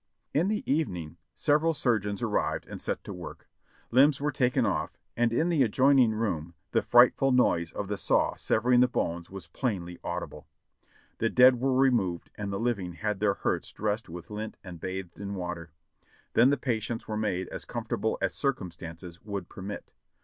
In the evening several surgeons arrived and set to work. Limbs were taken off, and in the adjoining room the frightful noise of the saw severing the bones was plainly audible. The dead were removed and the living had their hurts dressed with lint and bathed in water, then the patients were made as comfort able as circumstances would permit.